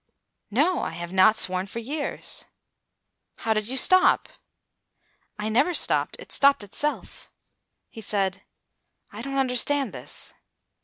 "No, I have not sworn for years." "How did you stop?" "I never stopped. It stopped itself." He said, "I don't understand this."